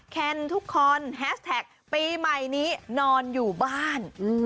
แคนทุกคนแฮสแท็กปีใหม่นี้นอนอยู่บ้าน